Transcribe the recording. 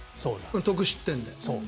得失点で。